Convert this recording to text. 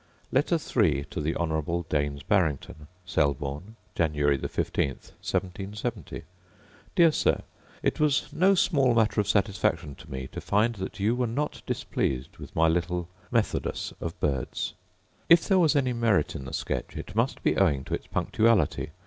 Letter III To The Honourable Daines Barrington Selborne, Jan. 15, 1770. Dear Sir, It was no small matter of satisfaction to me to find that you were not displeased with my little methodus of birds. If there was any merit in the sketch, it must be owing to its punctually.